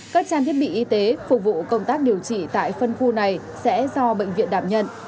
các trang thiết bị y tế phục vụ công tác điều trị tại phân khu này sẽ do bệnh viện đảm nhận